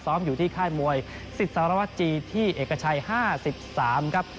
ซ้อมอยู่ที่ค่ายมวยศิษภวราชีที่เอกชัย๕๓ครับ